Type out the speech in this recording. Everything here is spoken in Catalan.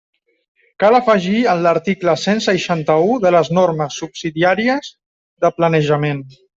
Cal afegir en l'article cent seixanta-u de les Normes subsidiàries de planejament.